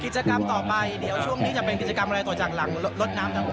กิจกรรมต่อไปเดี๋ยวช่วงนี้จะเป็นกิจกรรมอะไรต่อจากหลังรถน้ำหลัง